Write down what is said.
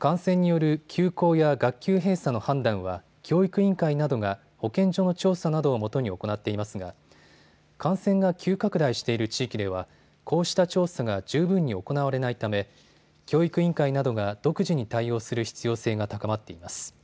感染による休校や学級閉鎖の判断は教育委員会などが保健所の調査などをもとに行っていますが感染が急拡大している地域ではこうした調査が十分に行われないため教育委員会などが独自に対応する必要性が高まっています。